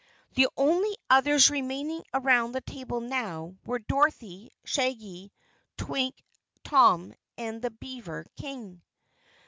The only others remaining around the table now were Dorothy, Shaggy, Twink, Tom, and the beaver King.